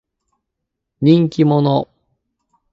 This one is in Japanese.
人気者。